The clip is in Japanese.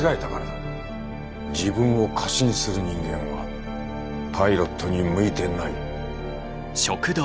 自分を過信する人間はパイロットに向いてない。